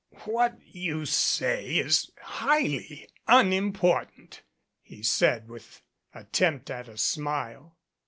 "What you say is highly unimportant," he said with an attempt at a smile.